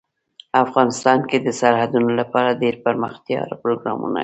افغانستان کې د سرحدونه لپاره دپرمختیا پروګرامونه شته.